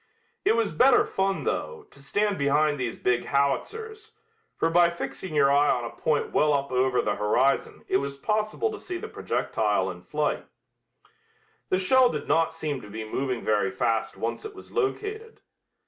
It was better fun, though, to stand behind these big howitzers, for by fixing your eye on a point well up over the horizon it was possible to see the projectile in flight. The shell did not seem to be moving very fast once it was located.